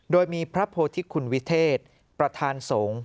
โดยมีพระโพธิคุณวิเทศประธานสงฆ์